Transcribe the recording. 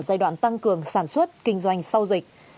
giai đoạn tăng cường sản xuất kinh doanh sau dịch